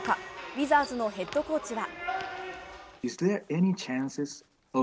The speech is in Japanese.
ウィザーズのヘッドコーチは。